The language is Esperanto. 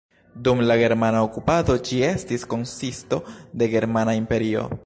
Dum la germana okupado ĝi estis konsisto de Germana imperio.